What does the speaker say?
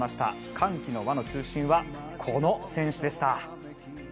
歓喜の輪の中心はこの選手でした。